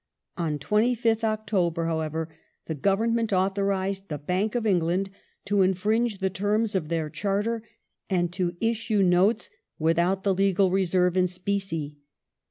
On 25th October, however, the Government authorized the Bank of England to infringe the terms of their Charter and to issue notes without the legal reserve in specie.